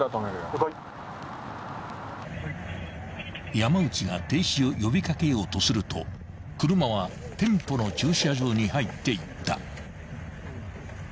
［山内が停止を呼び掛けようとすると車は店舗の駐車場に入っていった］